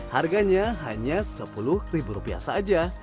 harganya hanya sepuluh ribu rupiah saja